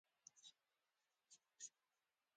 د پوزې بندېدو له وجې